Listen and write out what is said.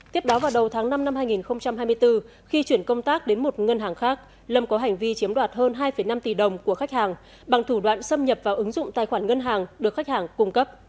tiếp đó vào đầu tháng năm năm hai nghìn hai mươi bốn khi chuyển công tác đến một ngân hàng khác lâm có hành vi chiếm đoạt hơn hai năm tỷ đồng của khách hàng bằng thủ đoạn xâm nhập vào ứng dụng tài khoản ngân hàng được khách hàng cung cấp